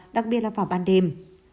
đặc biệt là vào ban đêm